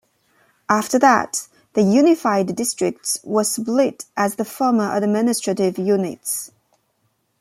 After that, the unified districts were split as the former administrative units.